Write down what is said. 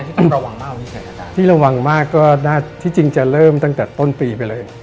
ที่ต้องระวังมากที่ระวังมากก็น่าที่จริงจะเริ่มตั้งแต่ต้นปีไปเลย